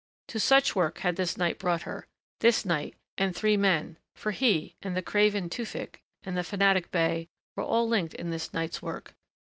To such work had this night brought her.... This night, and three men for he and the craven Tewfick and the fanatic bey were all linked in this night's work.